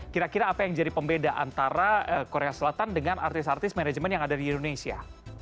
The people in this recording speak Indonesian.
kira kira apa yang jadi pembeda antara korea selatan dengan artis artis manajemen yang ada di indonesia